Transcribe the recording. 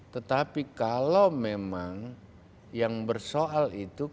tetapi kalau memang yang bersoal itu